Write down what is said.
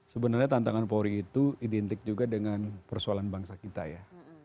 sebenarnya tantangan polri itu identik juga dengan persoalan bangsa kita ya